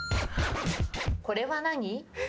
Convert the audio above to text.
これは何？